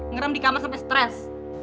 ngeram di kamar sampe stress